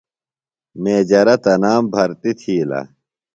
میجرہ تنام برتیۡ تِھیلہ۔